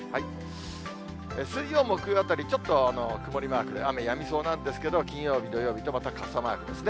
水曜、木曜あたり、ちょっと曇りマーク、雨やみそうなんですけど、金曜日、土曜日と、また傘マークですね。